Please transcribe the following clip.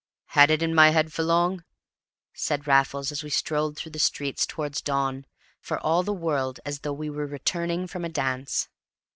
"Had it in my head for long?" said Raffles, as we strolled through the streets towards dawn, for all the world as though we were returning from a dance.